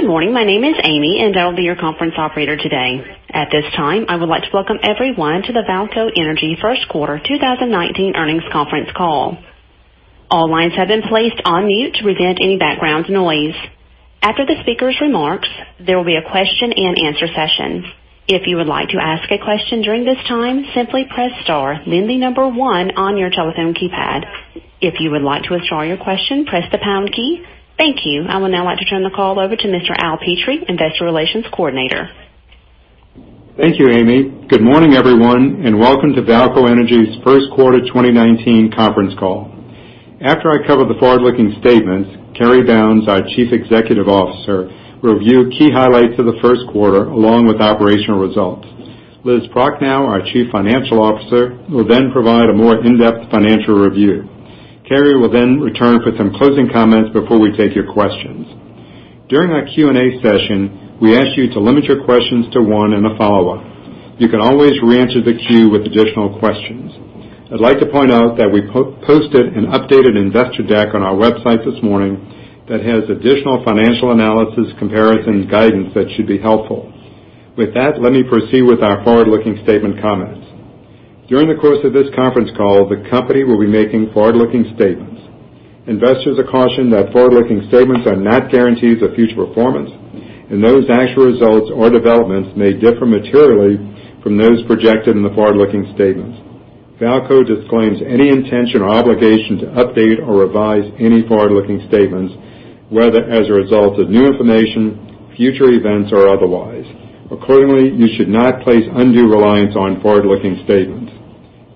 Good morning. My name is Amy, and I'll be your conference operator today. At this time, I would like to welcome everyone to the VAALCO Energy First Quarter 2019 Earnings Conference Call. All lines have been placed on mute to prevent any background noise. After the speaker's remarks, there will be a question and answer session. If you would like to ask a question during this time, simply press star, then the number one on your telephone keypad. If you would like to withdraw your question, press the pound key. Thank you. I would now like to turn the call over to Mr. Al Petrie, investor relations coordinator. Thank you, Amy. Good morning, everyone, and welcome to VAALCO Energy's First Quarter 2019 conference call. After I cover the forward-looking statements, Cary Bounds, our Chief Executive Officer, will review key highlights of the first quarter, along with operational results. Liz Prochnow, our Chief Financial Officer, will then provide a more in-depth financial review. Cary will then return for some closing comments before we take your questions. During our Q&A session, we ask you to limit your questions to one and a follow-up. You can always reenter the queue with additional questions. I'd like to point out that we posted an updated investor deck on our website this morning that has additional financial analysis comparisons guidance that should be helpful. With that, let me proceed with our forward-looking statement comments. During the course of this conference call, the company will be making forward-looking statements. Investors are cautioned that forward-looking statements are not guarantees of future performance, and those actual results or developments may differ materially from those projected in the forward-looking statements. VAALCO disclaims any intention or obligation to update or revise any forward-looking statements, whether as a result of new information, future events, or otherwise. Accordingly, you should not place undue reliance on forward-looking statements.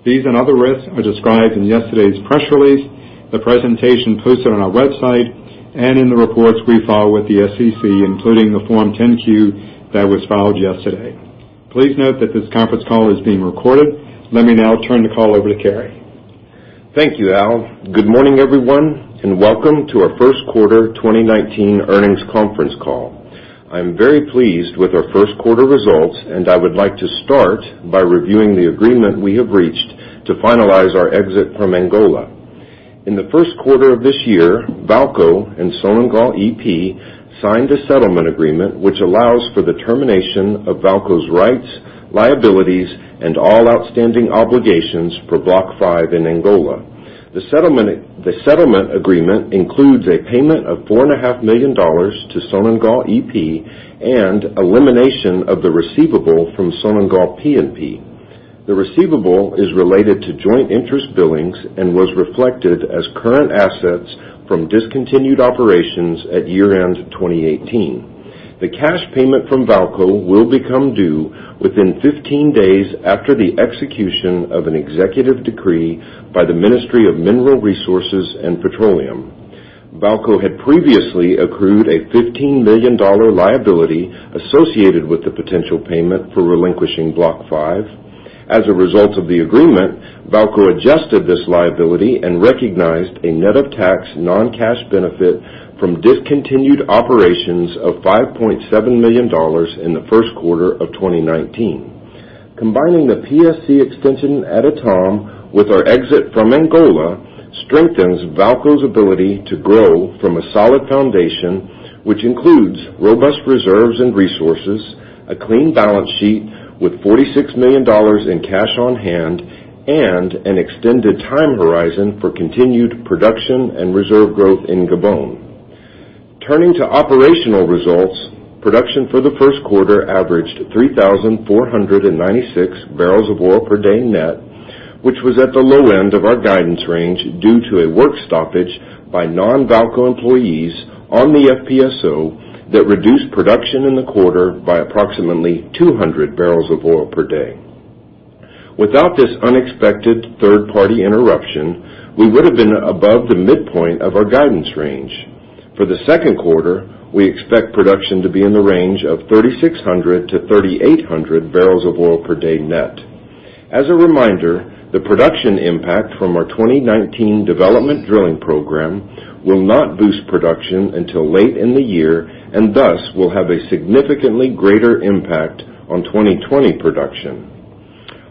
These and other risks are described in yesterday's press release, the presentation posted on our website, and in the reports we file with the SEC, including the Form 10-Q that was filed yesterday. Please note that this conference call is being recorded. Let me now turn the call over to Cary. Thank you, Al. Good morning, everyone, and welcome to our first quarter 2019 earnings conference call. I am very pleased with our first quarter results, and I would like to start by reviewing the agreement we have reached to finalize our exit from Angola. In the first quarter of this year, VAALCO and Sonangol E.P. signed a settlement agreement which allows for the termination of VAALCO's rights, liabilities, and all outstanding obligations for Block five in Angola. The settlement agreement includes a payment of $4.5 million to Sonangol E.P. and elimination of the receivable from Sonangol P&P. The receivable is related to joint interest billings and was reflected as current assets from discontinued operations at year-end 2018. The cash payment from VAALCO will become due within 15 days after the execution of an executive decree by the Ministry of Mineral Resources, Petroleum and Gas. VAALCO had previously accrued a $15 million liability associated with the potential payment for relinquishing Block Five. As a result of the agreement, VAALCO adjusted this liability and recognized a net of tax non-cash benefit from discontinued operations of $5.7 million in the first quarter of 2019. Combining the PSC extension at Etame with our exit from Angola strengthens VAALCO's ability to grow from a solid foundation, which includes robust reserves and resources, a clean balance sheet with $46 million in cash on hand, and an extended time horizon for continued production and reserve growth in Gabon. Turning to operational results, production for the first quarter averaged 3,496 barrels of oil per day net, which was at the low end of our guidance range due to a work stoppage by non-VAALCO employees on the FPSO that reduced production in the quarter by approximately 200 barrels of oil per day. Without this unexpected third-party interruption, we would have been above the midpoint of our guidance range. For the second quarter, we expect production to be in the range of 3,600 to 3,800 barrels of oil per day net. As a reminder, the production impact from our 2019 development drilling program will not boost production until late in the year, and thus will have a significantly greater impact on 2020 production.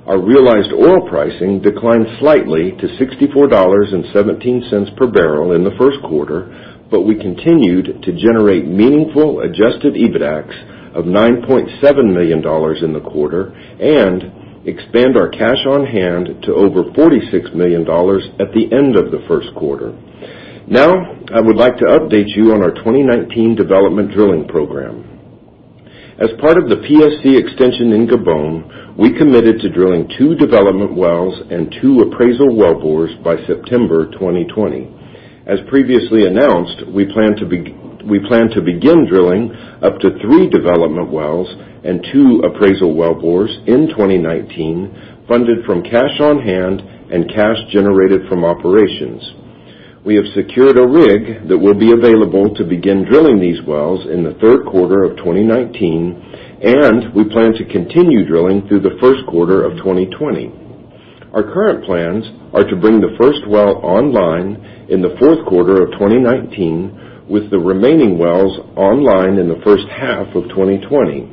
Our realized oil pricing declined slightly to $64.17 per barrel in the first quarter, but we continued to generate meaningful adjusted EBITDAX of $9.7 million in the quarter and expand our cash on hand to over $46 million at the end of the first quarter. I would like to update you on our 2019 development drilling program. As part of the PSC extension in Gabon, we committed to drilling two development wells and two appraisal wellbores by September 2020. As previously announced, we plan to begin drilling up to three development wells and two appraisal wellbores in 2019, funded from cash on hand and cash generated from operations. We have secured a rig that will be available to begin drilling these wells in the third quarter of 2019, and we plan to continue drilling through the first quarter of 2020. Our current plans are to bring the first well online in the fourth quarter of 2019 with the remaining wells online in the first half of 2020.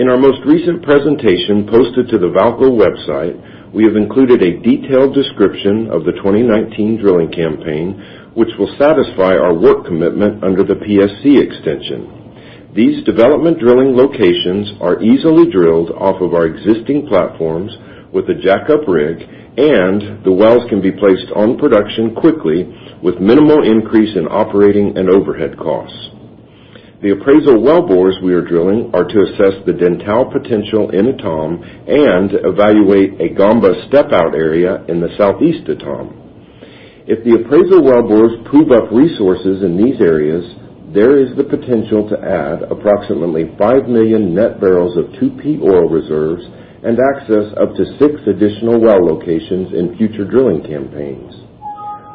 In our most recent presentation posted to the VAALCO website, we have included a detailed description of the 2019 drilling campaign, which will satisfy our work commitment under the PSC extension. These development drilling locations are easily drilled off of our existing platforms with a jackup rig, and the wells can be placed on production quickly with minimal increase in operating and overhead costs. The appraisal wellbores we are drilling are to assess the Dentale potential in Etame and evaluate a Gamba step-out area in the Southeast Etame. If the appraisal wellbores prove up resources in these areas, there is the potential to add approximately five million net barrels of 2P oil reserves and access up to six additional well locations in future drilling campaigns.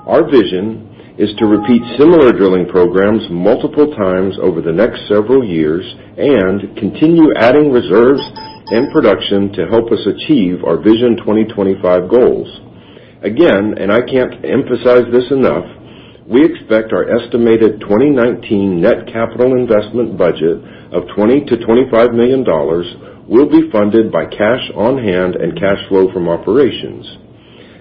Our vision is to repeat similar drilling programs multiple times over the next several years and continue adding reserves and production to help us achieve our Vision 2025 goals. Again, I can't emphasize this enough, we expect our estimated 2019 net capital investment budget of $20 million-$25 million will be funded by cash on hand and cash flow from operations.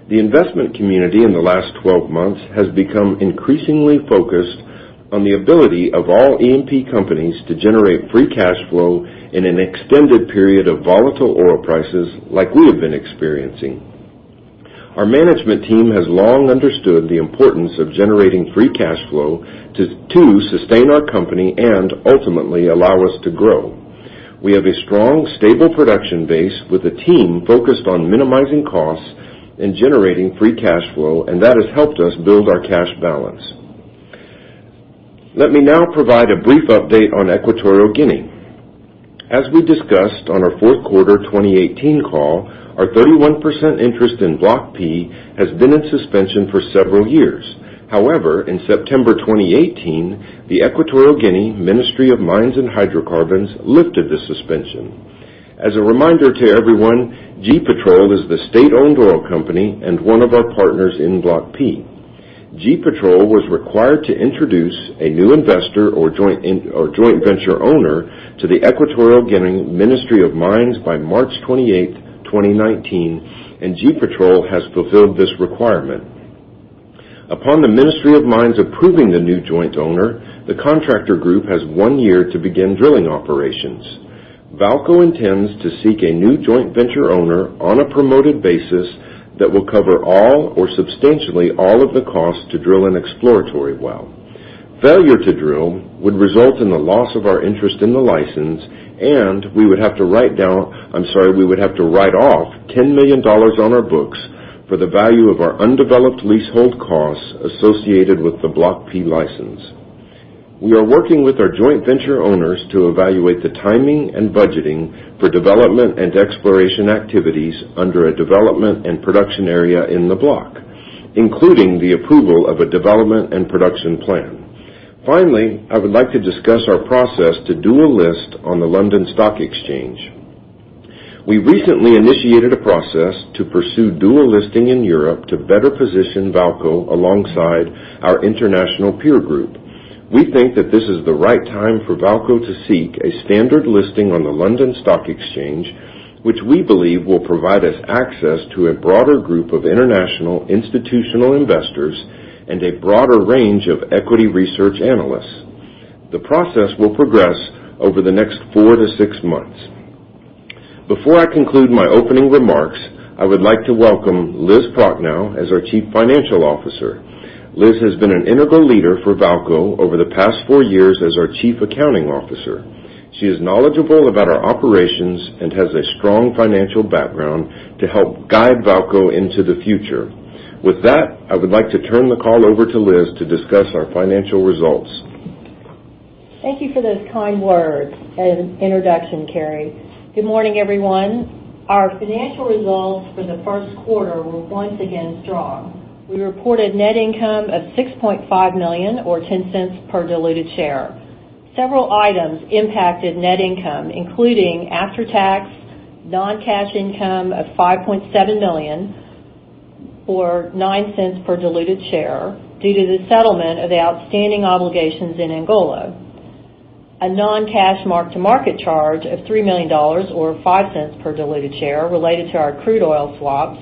The investment community in the last 12 months has become increasingly focused on the ability of all E&P companies to generate free cash flow in an extended period of volatile oil prices like we have been experiencing. Our management team has long understood the importance of generating free cash flow to sustain our company and ultimately allow us to grow. We have a strong, stable production base with a team focused on minimizing costs and generating free cash flow, and that has helped us build our cash balance. Let me now provide a brief update on Equatorial Guinea. As we discussed on our fourth quarter 2018 call, our 31% interest in Block P has been in suspension for several years. However, in September 2018, the Equatorial Guinea Ministry of Mines and Hydrocarbons lifted the suspension. As a reminder to everyone, GEPetrol is the state-owned oil company and one of our partners in Block P. GEPetrol was required to introduce a new investor or joint venture owner to the Equatorial Guinea Ministry of Mines by March 28th, 2019, and GEPetrol has fulfilled this requirement. Upon the Ministry of Mines approving the new joint owner, the contractor group has one year to begin drilling operations. VAALCO intends to seek a new joint venture owner on a promoted basis that will cover all or substantially all of the costs to drill an exploratory well. Failure to drill would result in the loss of our interest in the license, we would have to write off $10 million on our books for the value of our undeveloped leasehold costs associated with the Block P license. We are working with our joint venture owners to evaluate the timing and budgeting for development and exploration activities under a development and production area in the block, including the approval of a development and production plan. Finally, I would like to discuss our process to dual list on the London Stock Exchange. We recently initiated a process to pursue dual listing in Europe to better position VAALCO alongside our international peer group. We think that this is the right time for VAALCO to seek a standard listing on the London Stock Exchange, which we believe will provide us access to a broader group of international institutional investors and a broader range of equity research analysts. The process will progress over the next four to six months. Before I conclude my opening remarks, I would like to welcome Liz Prochnow as our Chief Financial Officer. Liz has been an integral leader for VAALCO over the past four years as our Chief Accounting Officer. She is knowledgeable about our operations and has a strong financial background to help guide VAALCO into the future. With that, I would like to turn the call over to Liz to discuss our financial results. Thank you for those kind words and introduction, Cary. Good morning, everyone. Our financial results for the first quarter were once again strong. We reported net income of $6.5 million or $0.10 per diluted share. Several items impacted net income, including after-tax non-cash income of $5.7 million or $0.09 per diluted share due to the settlement of the outstanding obligations in Angola, a non-cash mark-to-market charge of $3 million or $0.05 per diluted share related to our crude oil swaps,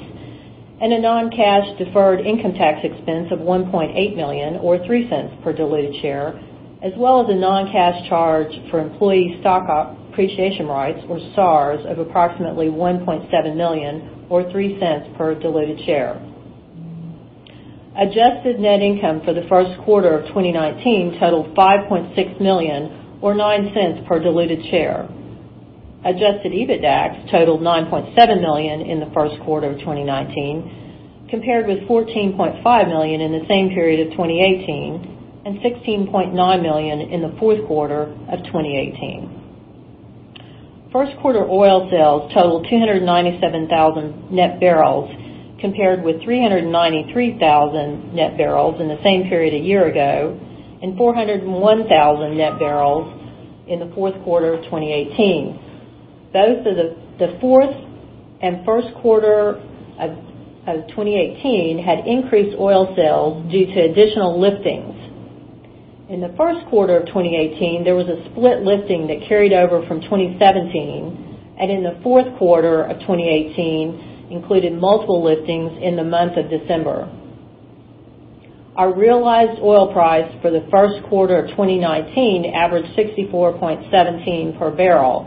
and a non-cash deferred income tax expense of $1.8 million or $0.03 per diluted share, as well as a non-cash charge for employee Stock Appreciation Rights, or SARs, of approximately $1.7 million or $0.03 per diluted share. Adjusted net income for the first quarter of 2019 totaled $5.6 million or $0.09 per diluted share. Adjusted EBITDA totaled $9.7 million in the first quarter of 2019, compared with $14.5 million in the same period of 2018 and $16.9 million in the fourth quarter of 2018. First quarter oil sales totaled 297,000 net barrels, compared with 393,000 net barrels in the same period a year ago and 401,000 net barrels in the fourth quarter of 2018. Both the fourth and first quarter of 2018 had increased oil sales due to additional liftings. In the first quarter of 2018, there was a split lifting that carried over from 2017, and in the fourth quarter of 2018 included multiple liftings in the month of December. Our realized oil price for the first quarter of 2019 averaged $64.17 per barrel,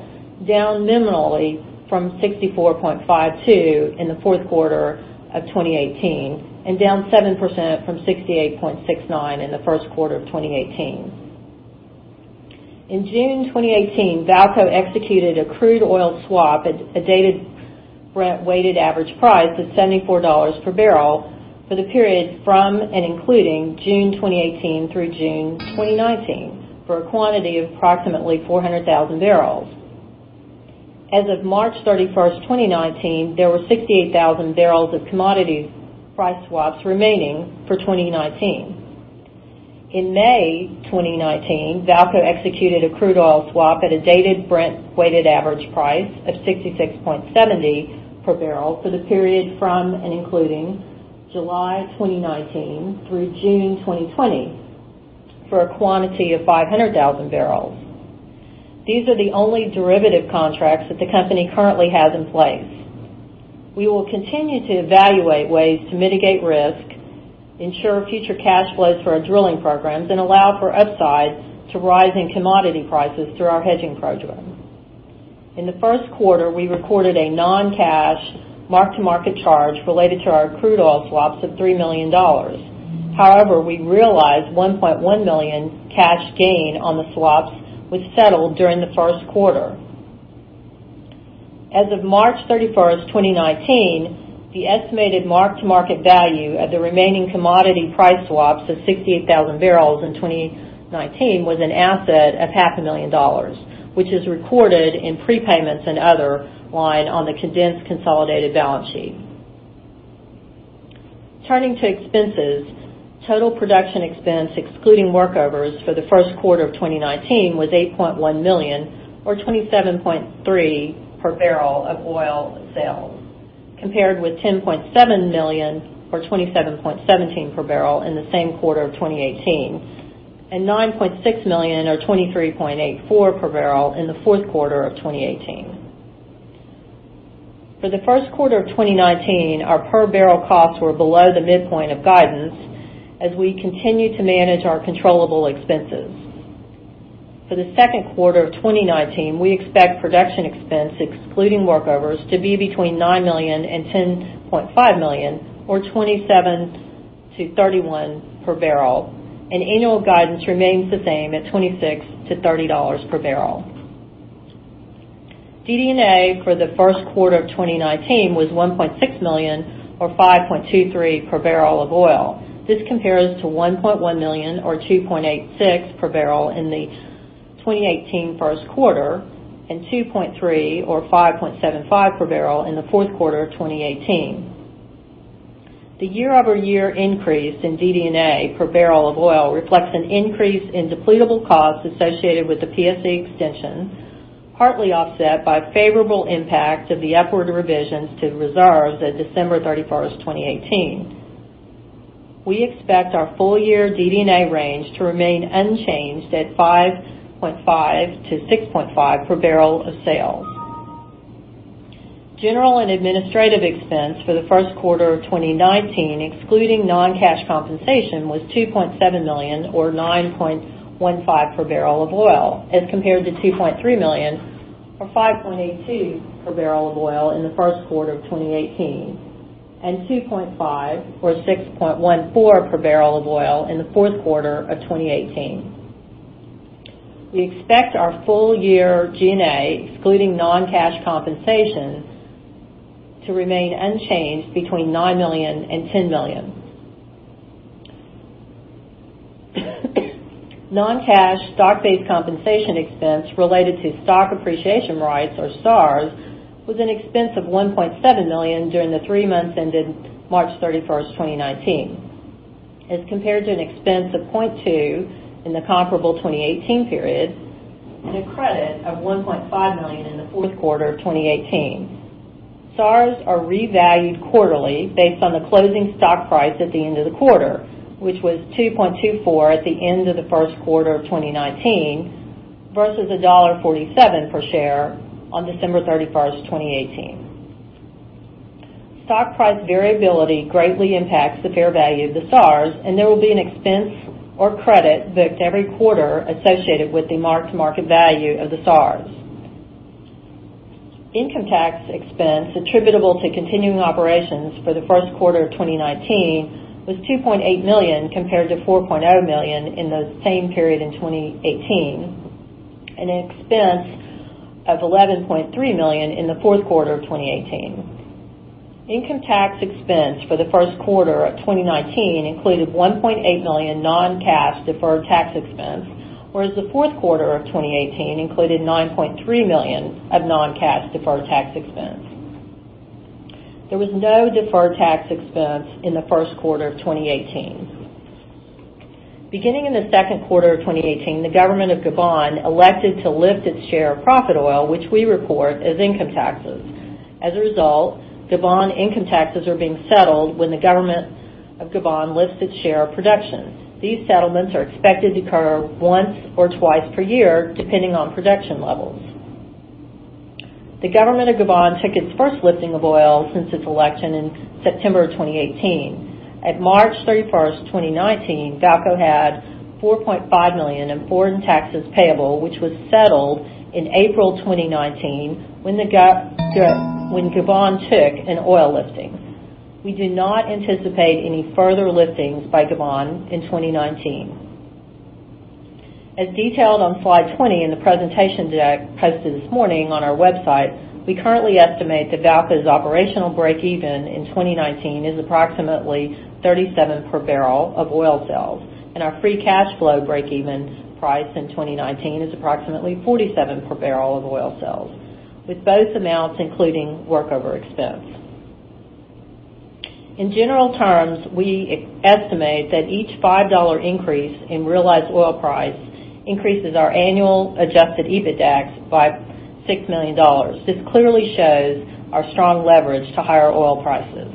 down minimally from $64.52 in the fourth quarter of 2018, and down 7% from $68.69 in the first quarter of 2018. In June 2018, VAALCO executed a crude oil swap at a dated Brent weighted average price of $74 per barrel for the period from and including June 2018 through June 2019, for a quantity of approximately 400,000 barrels. As of March 31st, 2019, there were 68,000 barrels of commodity price swaps remaining for 2019. In May 2019, VAALCO executed a crude oil swap at a dated Brent weighted average price of $66.70 per barrel for the period from and including July 2019 through June 2020, for a quantity of 500,000 barrels. These are the only derivative contracts that the company currently has in place. We will continue to evaluate ways to mitigate risk, ensure future cash flows for our drilling programs, and allow for upside to rising commodity prices through our hedging program. In the first quarter, we recorded a non-cash mark-to-market charge related to our crude oil swaps of $3 million. However, we realized $1.1 million cash gain on the swaps was settled during the first quarter. As of March 31st, 2019, the estimated mark-to-market value of the remaining commodity price swaps of 68,000 barrels in 2019 was an asset of half a million dollars, which is recorded in prepayments and other line on the condensed consolidated balance sheet. Turning to expenses, total production expense excluding workovers for the first quarter of 2019 was $8.1 million or $27.3 per barrel of oil sales, compared with $10.7 million or $27.17 per barrel in the same quarter of 2018, and $9.6 million or $23.84 per barrel in the fourth quarter of 2018. For the first quarter of 2019, our per barrel costs were below the midpoint of guidance as we continue to manage our controllable expenses. For the second quarter of 2019, we expect production expense excluding workovers to be between $9 million and $10.5 million or $27-$31 per barrel, and annual guidance remains the same at $26-$30 per barrel. DD&A for the first quarter of 2019 was $1.6 million or $5.23 per barrel of oil. This compares to $1.1 million or $2.86 per barrel in the 2018 first quarter, and $2.3 million or $5.75 per barrel in the fourth quarter of 2018. The year-over-year increase in DD&A per barrel of oil reflects an increase in depletable costs associated with the PSC extension, partly offset by favorable impact of the upward revisions to reserves at December 31st, 2018. We expect our full year DD&A range to remain unchanged at $5.50-$6.50 per barrel of sales. General and administrative expense for the first quarter of 2019, excluding non-cash compensation, was $2.7 million, or $9.15 per barrel of oil, as compared to $2.3 million or $5.82 per barrel of oil in the first quarter of 2018, and $2.5 million or $6.14 per barrel of oil in the fourth quarter of 2018. We expect our full year G&A, excluding non-cash compensation, to remain unchanged between $9 million and $10 million. Non-cash stock-based compensation expense related to Stock Appreciation Rights, or SARs, was an expense of $1.7 million during the three months ended March 31st, 2019, as compared to an expense of $0.2 million in the comparable 2018 period, and a credit of $1.5 million in the fourth quarter of 2018. SARs are revalued quarterly based on the closing stock price at the end of the quarter, which was $2.24 at the end of the first quarter of 2019 versus $1.47 per share on December 31st, 2018. Stock price variability greatly impacts the fair value of the SARs, and there will be an expense or credit booked every quarter associated with the mark-to-market value of the SARs. Income tax expense attributable to continuing operations for the first quarter of 2019 was $2.8 million, compared to $4.0 million in the same period in 2018, and an expense of $11.3 million in the fourth quarter of 2018. Income tax expense for the first quarter of 2019 included $1.8 million non-cash deferred tax expense, whereas the fourth quarter of 2018 included $9.3 million of non-cash deferred tax expense. There was no deferred tax expense in the first quarter of 2018. Beginning in the second quarter of 2018, the government of Gabon elected to lift its share of profit oil, which we report as income taxes. As a result, Gabon income taxes are being settled when the government of Gabon lifts its share of production. These settlements are expected to occur once or twice per year, depending on production levels. The government of Gabon took its first lifting of oil since its election in September 2018. At March 31st, 2019, VAALCO had $4.5 million in foreign taxes payable, which was settled in April 2019 when Gabon took an oil lifting. We do not anticipate any further liftings by Gabon in 2019. As detailed on slide 20 in the presentation deck posted this morning on our website, we currently estimate that VAALCO's operational breakeven in 2019 is approximately $37 per barrel of oil sales, and our free cash flow breakeven price in 2019 is approximately $47 per barrel of oil sales, with both amounts including workover expense. In general terms, we estimate that each $5 increase in realized oil price increases our annual adjusted EBITDA by $6 million. This clearly shows our strong leverage to higher oil prices.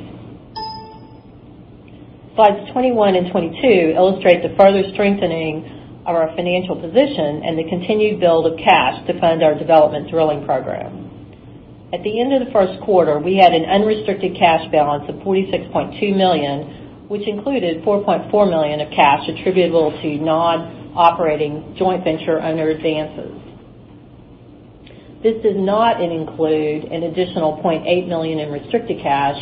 Slides 21 and 22 illustrate the further strengthening of our financial position and the continued build of cash to fund our development drilling program. At the end of the first quarter, we had an unrestricted cash balance of $46.2 million, which included $4.4 million of cash attributable to non-operating joint venture owner advances. This does not include an additional $0.8 million in restricted cash,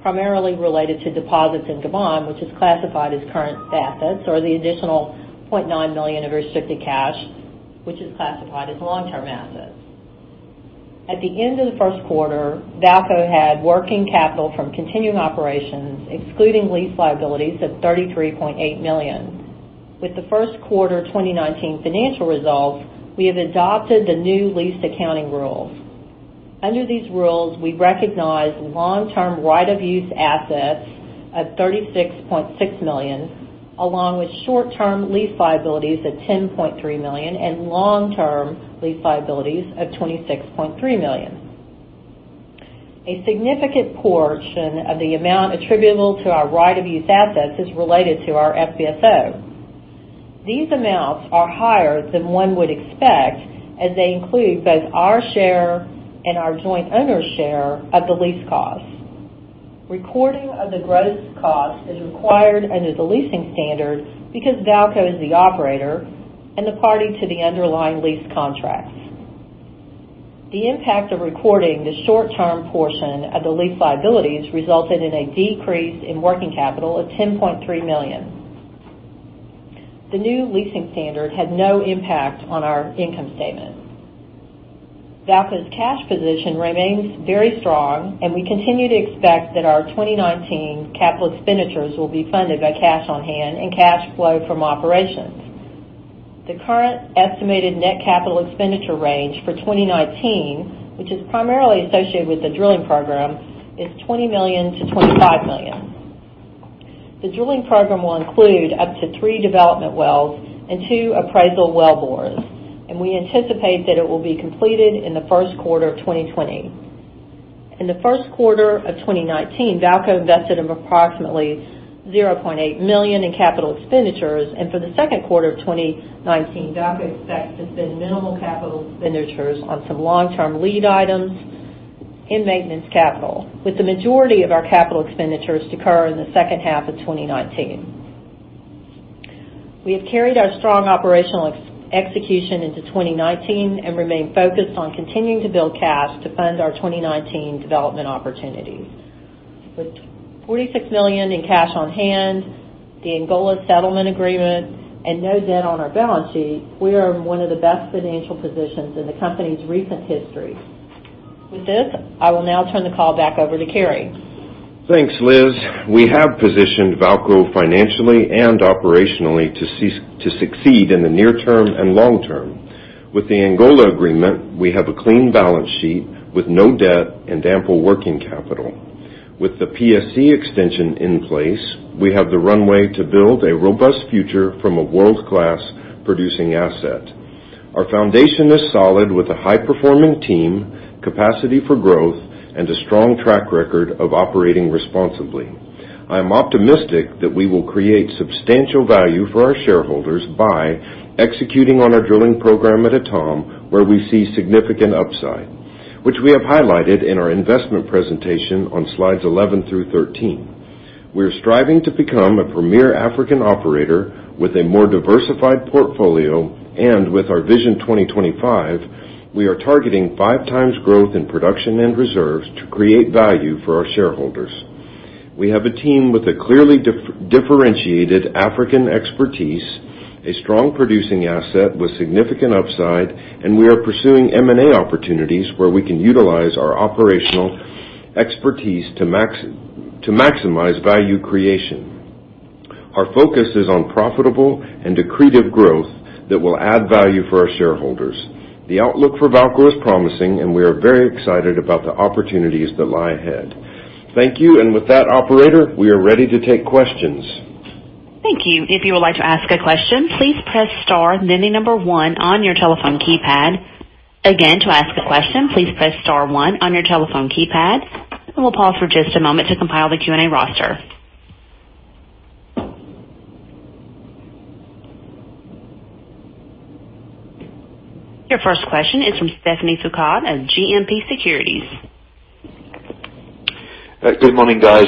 primarily related to deposits in Gabon, which is classified as current assets or the additional $0.9 million of restricted cash, which is classified as a long-term asset. At the end of the first quarter, VAALCO had working capital from continuing operations excluding lease liabilities of $33.8 million. With the first quarter 2019 financial results, we have adopted the new lease accounting rules. Under these rules, we recognize long-term right-of-use assets of $36.6 million, along with short-term lease liabilities of $10.3 million and long-term lease liabilities of $26.3 million. A significant portion of the amount attributable to our right-of-use assets is related to our FPSO. These amounts are higher than one would expect, as they include both our share and our joint owner's share of the lease cost. Recording of the gross cost is required under the leasing standard because VAALCO is the operator and the party to the underlying lease contracts. The impact of recording the short-term portion of the lease liabilities resulted in a decrease in working capital of $10.3 million. The new leasing standard had no impact on our income statement. VAALCO's cash position remains very strong, and we continue to expect that our 2019 capital expenditures will be funded by cash on hand and cash flow from operations. The current estimated net capital expenditure range for 2019, which is primarily associated with the drilling program, is $20 million-$25 million. The drilling program will include up to three development wells and two appraisal wellbores, and we anticipate that it will be completed in the first quarter of 2020. In the first quarter of 2019, VAALCO invested approximately $0.8 million in capital expenditures. For the second quarter of 2019, VAALCO expects to spend minimal capital expenditures on some long-term lead items in maintenance capital, with the majority of our capital expenditures to occur in the second half of 2019. We have carried our strong operational execution into 2019 and remain focused on continuing to build cash to fund our 2019 development opportunities. With $46 million in cash on hand, the Angola settlement agreement, and no debt on our balance sheet, we are in one of the best financial positions in the company's recent history. With this, I will now turn the call back over to Cary. Thanks, Liz. We have positioned VAALCO financially and operationally to succeed in the near term and long term. With the Angola agreement, we have a clean balance sheet with no debt and ample working capital. With the PSC extension in place, we have the runway to build a robust future from a world-class producing asset. Our foundation is solid with a high-performing team, capacity for growth, and a strong track record of operating responsibly. I am optimistic that we will create substantial value for our shareholders by executing on our drilling program at Etame, where we see significant upside, which we have highlighted in our investment presentation on slides 11 through 13. We are striving to become a premier African operator with a more diversified portfolio, and with our Vision 2025, we are targeting 5x growth in production and reserves to create value for our shareholders. We have a team with a clearly differentiated African expertise, a strong producing asset with significant upside, and we are pursuing M&A opportunities where we can utilize our operational expertise to maximize value creation. Our focus is on profitable and accretive growth that will add value for our shareholders. The outlook for VAALCO is promising, and we are very excited about the opportunities that lie ahead. Thank you. With that, operator, we are ready to take questions. Thank you. If you would like to ask a question, please press star then the number one on your telephone keypad. Again, to ask a question, please press star one on your telephone keypad. We'll pause for just a moment to compile the Q&A roster. Your first question is from Stephane Foucaud of GMP Securities. Good morning, guys.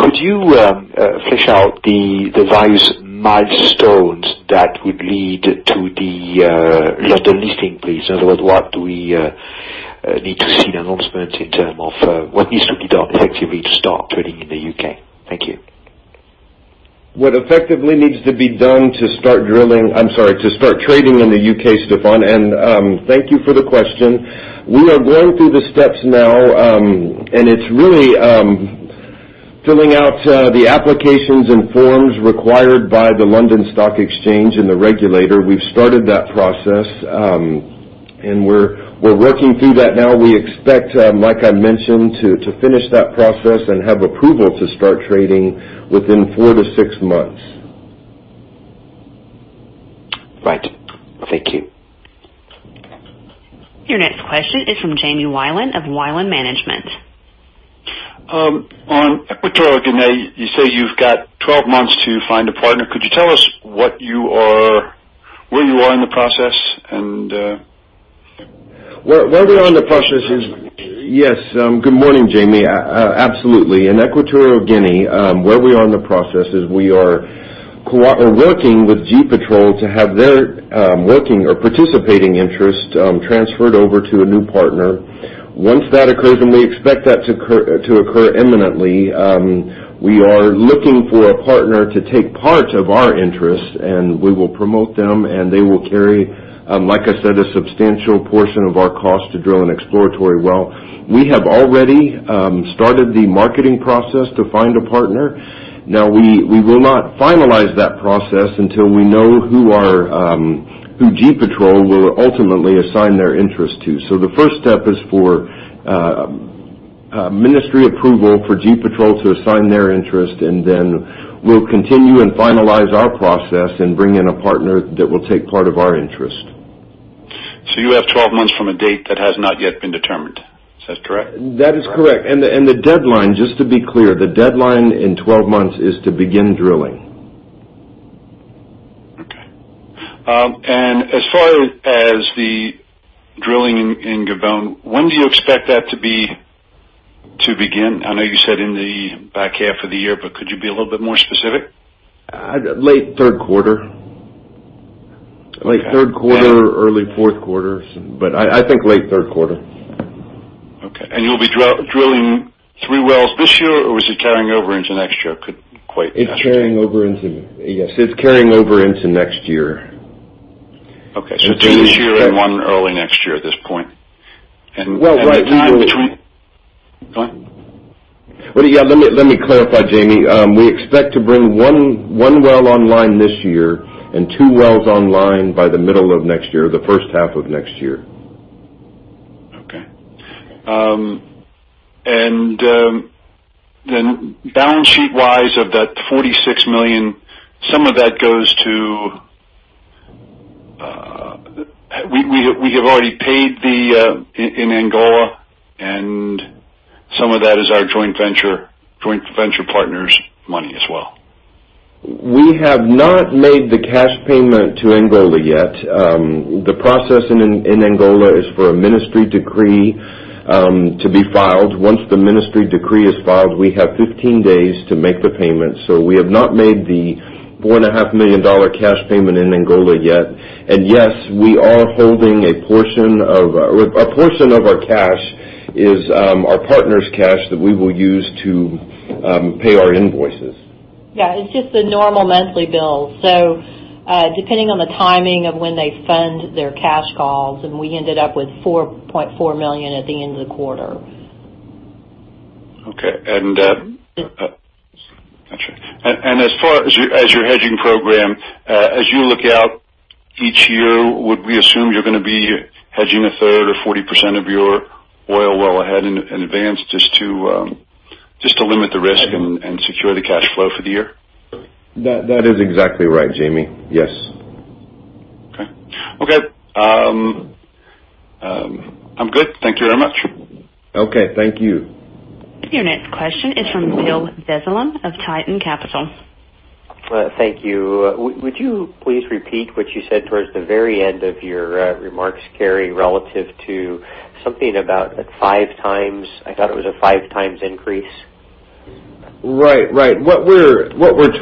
Could you flesh out the various milestones that would lead to the London listing, please? In other words, what do we need to see an announcement in terms of what needs to be done effectively to start trading in the U.K.? Thank you. What effectively needs to be done to start trading in the U.K., Stephane. Thank you for the question. We are going through the steps now, and it's really filling out the applications and forms required by the London Stock Exchange and the regulator. We've started that process, and we're working through that now. We expect, like I mentioned, to finish that process and have approval to start trading within four to six months. Right. Thank you. Your next question is from Jamie Wieland of Wieland Management. On Equatorial Guinea, you say you've got 12 months to find a partner. Could you tell us where you are in the process. Good morning, Jamie. Absolutely. In Equatorial Guinea, where we are in the process is we are working with GEPetrol to have their working or participating interest transferred over to a new partner. Once that occurs, and we expect that to occur imminently, we are looking for a partner to take part of our interest, and we will promote them, and they will carry, like I said, a substantial portion of our cost to drill an exploratory well. We have already started the marketing process to find a partner. We will not finalize that process until we know who GEPetrol will ultimately assign their interest to. The first step is for ministry approval for GEPetrol to assign their interest, and then we'll continue and finalize our process and bring in a partner that will take part of our interest. You have 12 months from a date that has not yet been determined. Is that correct? That is correct. The deadline, just to be clear, the deadline in 12 months is to begin drilling. Okay. As far as the drilling in Gabon, when do you expect that to begin? I know you said in the back half of the year, but could you be a little bit more specific? Late third quarter. Okay. Late third quarter, early fourth quarter. I think late third quarter. Okay. You'll be drilling three wells this year, or is it carrying over into next year? Couldn't quite ascertain. It's carrying over into Yes, it's carrying over into next year. Okay. Two this year and one early next year at this point. Well. The time between Go on. Yeah, let me clarify, Jamie. We expect to bring one well online this year and two wells online by the middle of next year, the first half of next year. Okay. Balance sheet-wise, of that $46 million, some of that goes to We have already paid in Angola, and some of that is our joint venture partner's money as well. We have not made the cash payment to Angola yet. The process in Angola is for a ministry decree to be filed. Once the ministry decree is filed, we have 15 days to make the payment. We have not made the $4.5 million cash payment in Angola yet. Yes, we are holding a portion of our cash is our partner's cash that we will use to pay our invoices. It's just the normal monthly bill. Depending on the timing of when they fund their cash calls, and we ended up with $4.4 million at the end of the quarter. Okay. Got you. As far as your hedging program, as you look out each year, would we assume you're gonna be hedging a third or 40% of your oil well ahead in advance just to limit the risk and secure the cash flow for the year? That is exactly right, Jamie. Yes. Okay. I'm good. Thank you very much. Okay. Thank you. Your next question is from Bill Besse of Titan Capital. Thank you. Would you please repeat what you said towards the very end of your remarks, Cary, relative to something about five times? I thought it was a five times increase. Right. What we're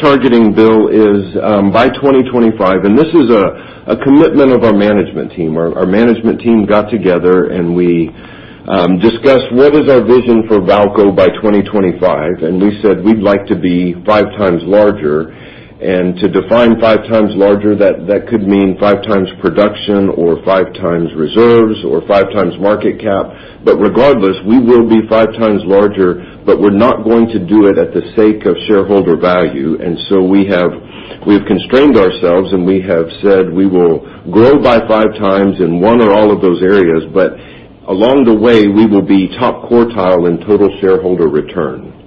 targeting, Bill, is by 2025. This is a commitment of our management team. Our management team got together, and we discussed what is our Vision 2025 for VAALCO. We said we'd like to be five times larger. To define five times larger, that could mean five times production or five times reserves or five times market cap. Regardless, we will be five times larger, but we're not going to do it at the sake of shareholder value. We've constrained ourselves, and we have said we will grow by five times in one or all of those areas, but along the way, we will be top quartile in total shareholder return.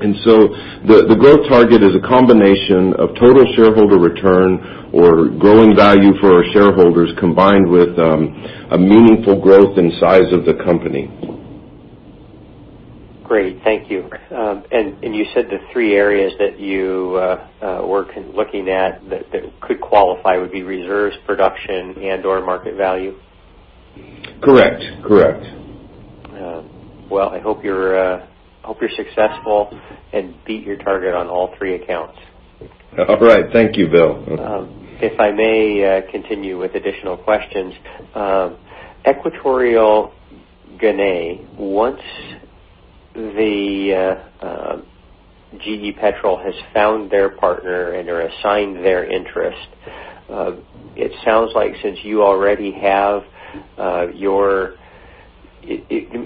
The growth target is a combination of total shareholder return or growing value for our shareholders, combined with a meaningful growth in size of the company. Great. Thank you. You said the three areas that you were looking at that could qualify would be reserves, production, and/or market cap? Correct. I hope you're successful and beat your target on all three accounts. All right. Thank you, Bill. If I may continue with additional questions. Equatorial Guinea, once GEPetrol has found their partner and/or assigned their interest, it sounds like since you already have your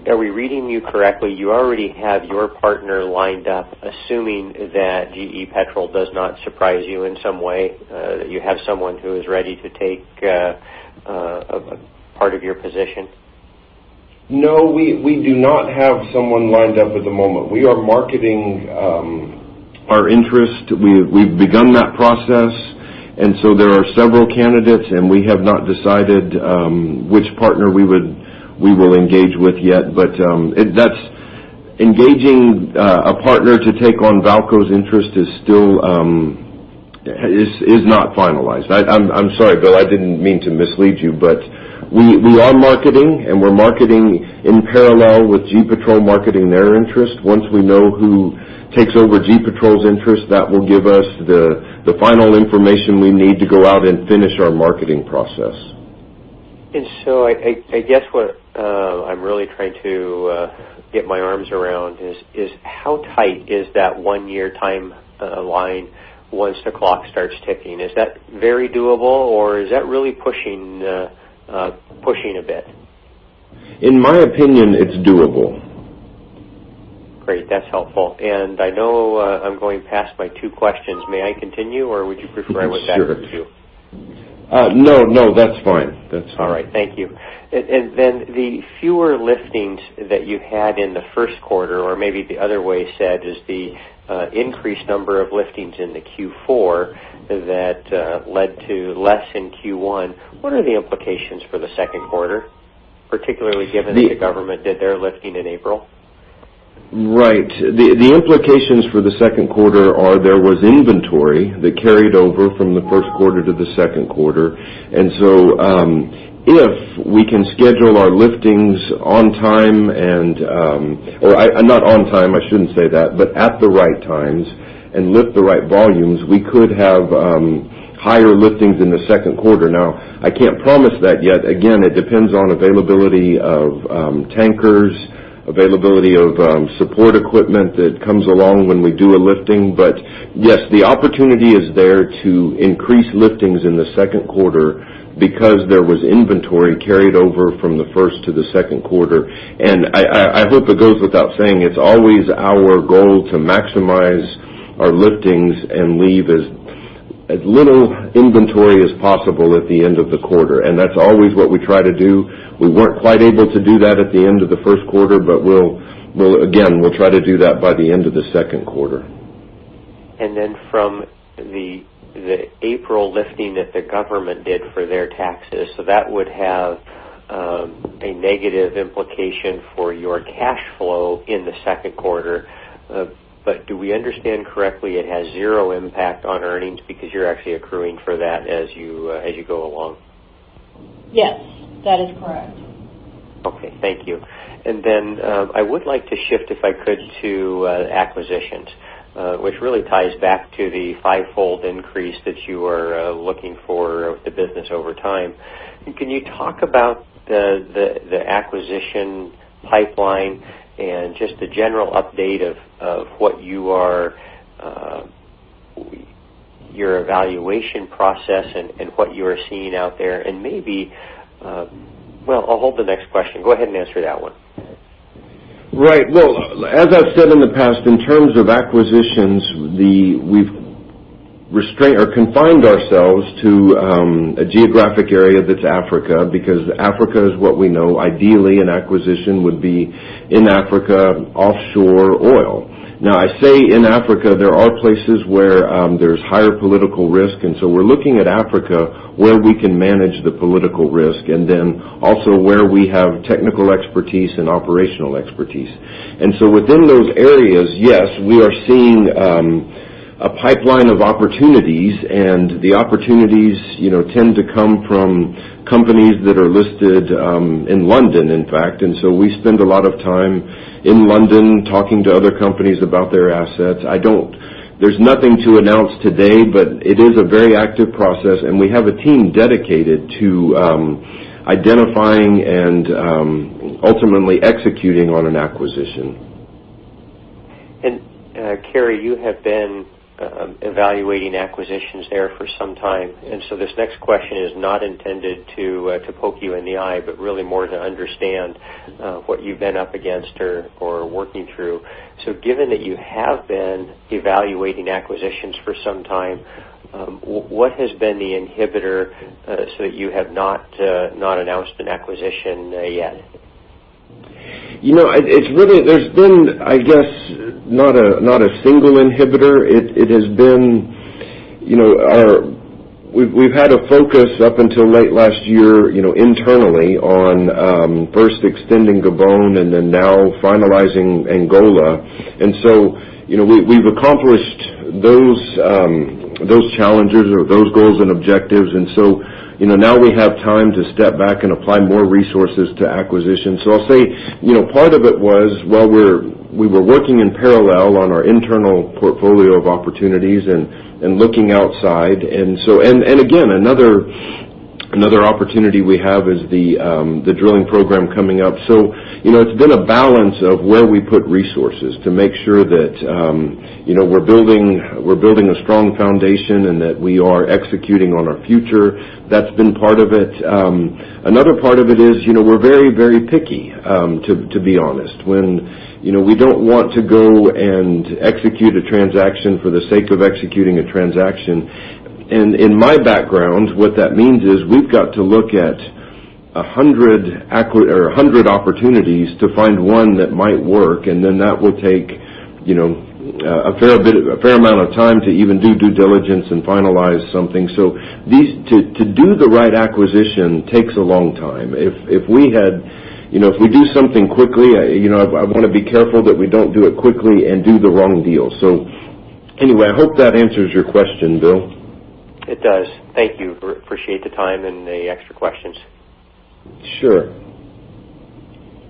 Are we reading you correctly, you already have your partner lined up, assuming that GEPetrol does not surprise you in some way, that you have someone who is ready to take a part of your position? No, we do not have someone lined up at the moment. We are marketing our interest. We've begun that process, there are several candidates, we have not decided which partner we will engage with yet. Engaging a partner to take on VAALCO's interest is not finalized. I'm sorry, Bill, I didn't mean to mislead you, we are marketing, we're marketing in parallel with GEPetrol marketing their interest. Once we know who takes over GEPetrol's interest, that will give us the final information we need to go out and finish our marketing process. I guess what I'm really trying to get my arms around is how tight is that one-year timeline once the clock starts ticking? Is that very doable, or is that really pushing a bit? In my opinion, it's doable. Great. That's helpful. I know I'm going past my two questions. May I continue, or would you prefer? Sure back to you? No, that's fine. All right. Thank you. The fewer liftings that you had in the first quarter, or maybe the other way said is the increased number of liftings in the Q4 that led to less in Q1. What are the implications for the second quarter, particularly given that the government did their lifting in April? Right. The implications for the second quarter are there was inventory that carried over from the first quarter to the second quarter. If we can schedule our liftings on time or not on time, I shouldn't say that, but at the right times and lift the right volumes, we could have higher liftings in the second quarter. Now, I can't promise that yet. Again, it depends on availability of tankers, availability of support equipment that comes along when we do a lifting. Yes, the opportunity is there to increase liftings in the second quarter because there was inventory carried over from the first to the second quarter. I hope it goes without saying, it's always our goal to maximize our liftings and leave as little inventory as possible at the end of the quarter. That's always what we try to do. We weren't quite able to do that at the end of the first quarter, again, we'll try to do that by the end of the second quarter. From the April lifting that the government did for their taxes, so that would have a negative implication for your cash flow in the second quarter. Do we understand correctly it has zero impact on earnings because you're actually accruing for that as you go along? Yes, that is correct. Okay. Thank you. Then I would like to shift, if I could, to acquisitions, which really ties back to the fivefold increase that you are looking for of the business over time. Can you talk about the acquisition pipeline and just a general update of what your evaluation process and what you are seeing out there? Well, I'll hold the next question. Go ahead and answer that one. Right. Well, as I've said in the past, in terms of acquisitions, we've confined ourselves to a geographic area that's Africa, because Africa is what we know. Ideally, an acquisition would be in Africa, offshore oil. Now, I say in Africa, there are places where there's higher political risk, so we're looking at Africa where we can manage the political risk, then also where we have technical expertise and operational expertise. So within those areas, yes, we are seeing a pipeline of opportunities, the opportunities tend to come from companies that are listed in London, in fact. So we spend a lot of time in London talking to other companies about their assets. There's nothing to announce today, but it is a very active process, and we have a team dedicated to identifying and ultimately executing on an acquisition. Cary, you have been evaluating acquisitions there for some time, so this next question is not intended to poke you in the eye, but really more to understand what you've been up against or working through. Given that you have been evaluating acquisitions for some time, what has been the inhibitor, so you have not announced an acquisition yet? There's been, I guess, not a single inhibitor. We've had a focus up until late last year internally on first extending Gabon and then now finalizing Angola. We've accomplished those challenges or those goals and objectives. Now we have time to step back and apply more resources to acquisition. I'll say, part of it was while we were working in parallel on our internal portfolio of opportunities and looking outside, and again, another opportunity we have is the drilling program coming up. It's been a balance of where we put resources to make sure that we're building a strong foundation and that we are executing on our future. That's been part of it. Another part of it is, we're very picky, to be honest. We don't want to go and execute a transaction for the sake of executing a transaction. In my background, what that means is we've got to look at 100 opportunities to find one that might work, and then that will take a fair amount of time to even do due diligence and finalize something. To do the right acquisition takes a long time. If we do something quickly, I want to be careful that we don't do it quickly and do the wrong deal. Anyway, I hope that answers your question, Bill. It does. Thank you. Appreciate the time and the extra questions. Sure.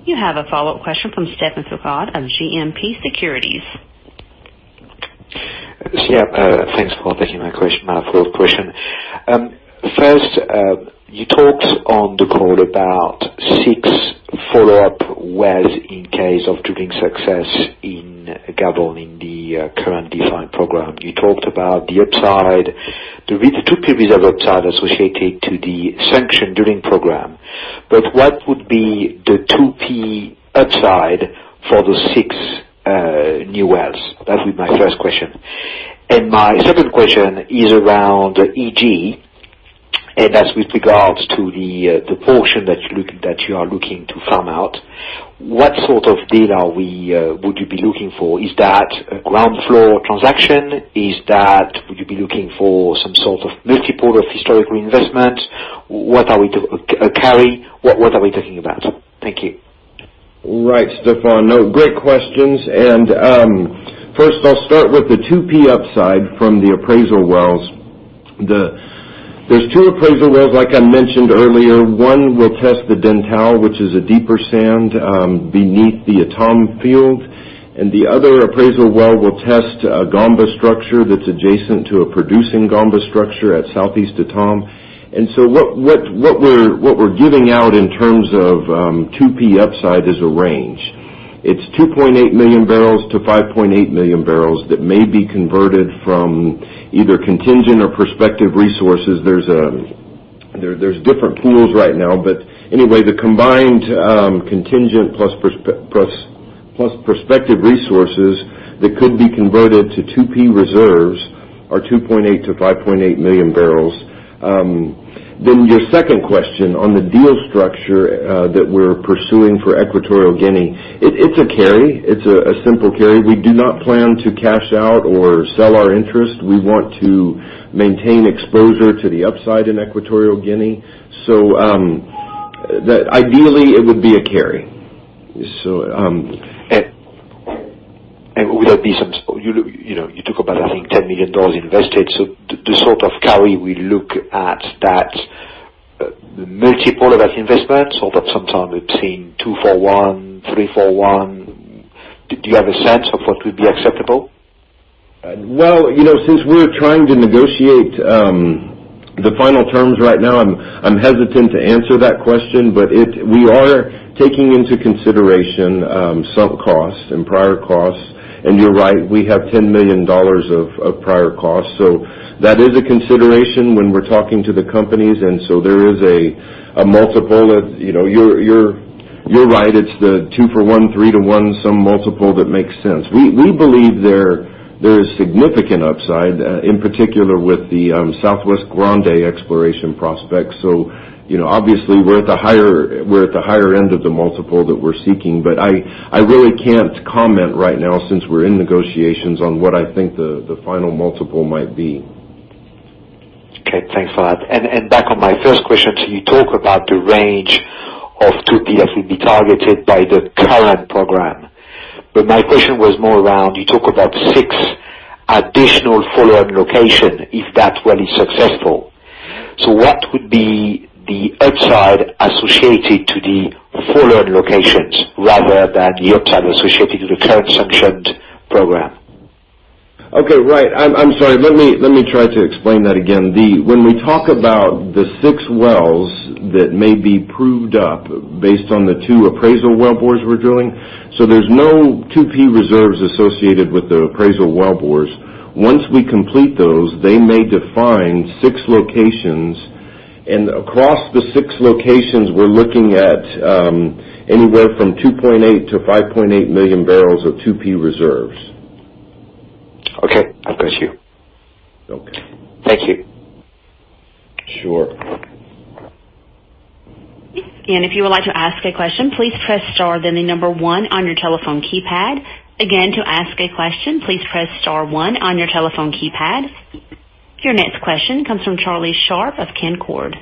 You have a follow-up question from Stephane Foucaud of GMP Securities. Yeah. Thanks for taking my question. My follow-up question. First, you talked on the call about 6 follow-up wells in case of drilling success in Gabon in the current defined program. You talked about the upside, the 2 previous of upside associated to the sanctioned drilling program. What would be the 2P upside for the 6 new wells? That'll be my first question. My second question is around EG, and that's with regards to the portion that you are looking to farm out. What sort of deal would you be looking for? Is that a ground floor transaction? Would you be looking for some sort of multiple of historical investment? Cary, what are we talking about? Thank you. Right, Stephane. No, great questions. First I'll start with the 2P upside from the appraisal wells. There's 2 appraisal wells, like I mentioned earlier. One will test the Dentale, which is a deeper sand beneath the Etame field. The other appraisal well will test a Gamba structure that's adjacent to a producing Gamba structure at Southeast Etame. What we're giving out in terms of 2P upside is a range. It's 2.8 million barrels to 5.8 million barrels that may be converted from either contingent or prospective resources. There's different pools right now, the combined contingent plus prospective resources that could be converted to 2P reserves are 2.8 to 5.8 million barrels. Your second question on the deal structure that we're pursuing for Equatorial Guinea. It's a carry. It's a simple carry. We do not plan to cash out or sell our interest. We want to maintain exposure to the upside in Equatorial Guinea. Ideally, it would be a carry. Would there be some You talked about, I think $10 million invested, so the sort of carry we look at that multiple of that investment, so that sometime we've seen 2 for 1, 3 for 1. Do you have a sense of what would be acceptable? Well, since we're trying to negotiate the final terms right now, I'm hesitant to answer that question, but we are taking into consideration sub-costs and prior costs, and you're right, we have $10 million of prior costs. That is a consideration when we're talking to the companies, and there is a multiple that you're right, it's the two for one, three to one, some multiple that makes sense. We believe there is significant upside, in particular with the Southwest Grande exploration prospects. Obviously we're at the higher end of the multiple that we're seeking, but I really can't comment right now since we're in negotiations on what I think the final multiple might be. Okay, thanks for that. Back on my first question, you talk about the range of 2P that will be targeted by the current program. My question was more around, you talk about six additional follow-on location if that well is successful. What would be the upside associated to the follow-on locations rather than the upside associated to the current sanctioned program? Okay. Right. I'm sorry. Let me try to explain that again. When we talk about the six wells that may be proved up based on the two appraisal wellbores we're drilling. There's no 2P reserves associated with the appraisal wellbores. Once we complete those, they may define six locations, and across the six locations, we're looking at anywhere from 2.8 million-5.8 million barrels of 2P reserves. Okay. I've got you. Okay. Thank you. Sure. If you would like to ask a question, please press star then the number one on your telephone keypad. Again, to ask a question, please press star one on your telephone keypad. Your next question comes from Charlie Sharp of Canaccord.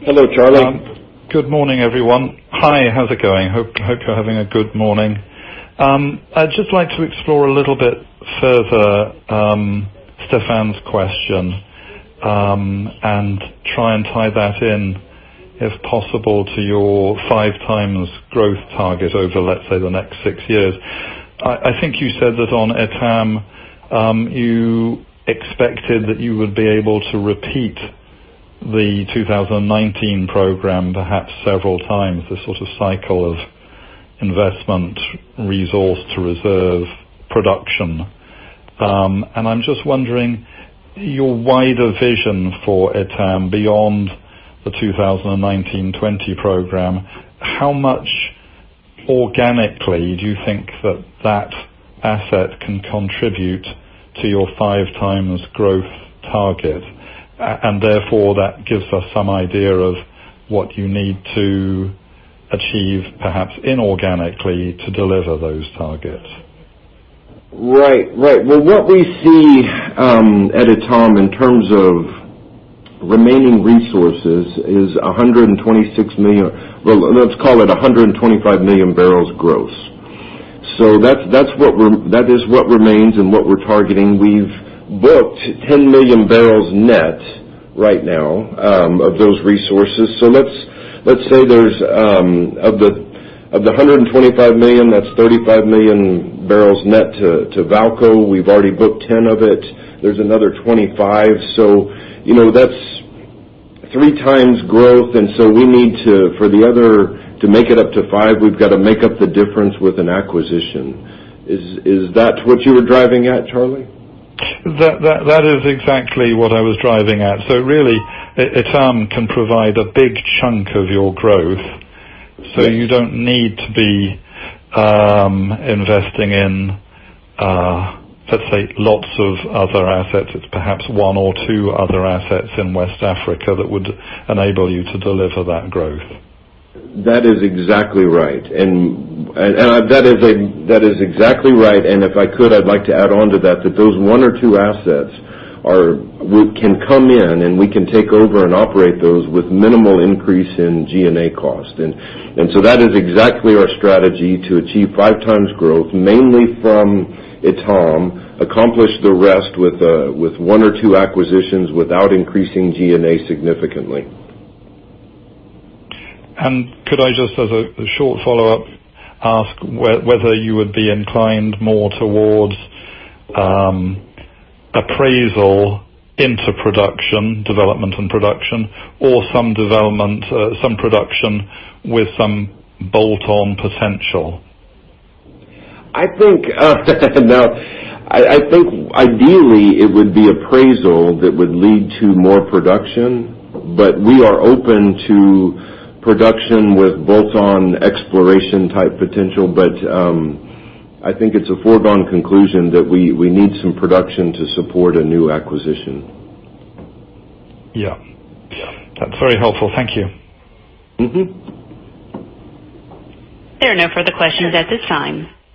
Hello, Charlie. Good morning, everyone. Hi, how's it going? Hope you're having a good morning. I'd just like to explore a little bit further, Stephane's question, try and tie that in, if possible, to your five times growth target over, let's say, the next six years. I think you said that on Etame, you expected that you would be able to repeat the 2019 program perhaps several times, the sort of cycle of investment, resource to reserve, production. I'm just wondering, your wider vision for Etame beyond the 2019/20 program, how much organically do you think that that asset can contribute to your five times growth target? Therefore, that gives us some idea of what you need to achieve, perhaps inorganically, to deliver those targets. Well, what we see at Etame in terms of remaining resources is 125 million barrels gross. That is what remains and what we're targeting. We've booked 10 million barrels net right now of those resources. Let's say there's, of the 125 million, that's 35 million barrels net to VAALCO. We've already booked 10 of it. There's another 25. That's three times growth, we need to, for the other, to make it up to five, we've got to make up the difference with an acquisition. Is that what you were driving at, Charlie? That is exactly what I was driving at. Really, Etame can provide a big chunk of your growth. Yes. You don't need to be investing in, let's say, lots of other assets. It's perhaps one or two other assets in West Africa that would enable you to deliver that growth. That is exactly right. That is exactly right, if I could, I'd like to add on to that those one or two assets can come in, and we can take over and operate those with minimal increase in G&A cost. That is exactly our strategy to achieve five times growth, mainly from Etame, accomplish the rest with one or two acquisitions without increasing G&A significantly. Could I just, as a short follow-up, ask whether you would be inclined more towards appraisal into production, development and production, or some production with some bolt-on potential? I think ideally it would be appraisal that would lead to more production, but we are open to production with bolt-on exploration type potential. I think it's a foregone conclusion that we need some production to support a new acquisition. Yeah. That's very helpful. Thank you. There are no further questions at this time.